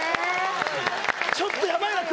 ちょっとやばいなさあ